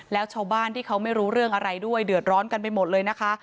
แล้วชาวบ้านที่เขาไม่รู้เรื่องอะไรด้วยเดือดร้อนกันไปหมดเลยนะคะ